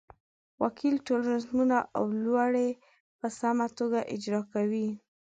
وکیل ټول رسمونه او لوړې په سمه توګه اجرا کړې.